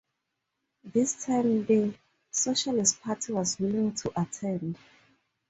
This time, the Socialist Party was willing to attend.